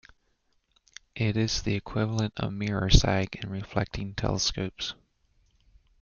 It is the equivalent of mirror sag in reflecting telescopes.